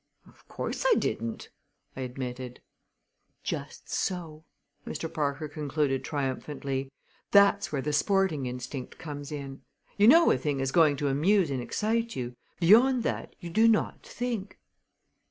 "Of course I didn't," I admitted. "Just so!" Mr. Parker concluded triumphantly. "That's where the sporting instinct comes in. You know a thing is going to amuse and excite you. Beyond that you do not think."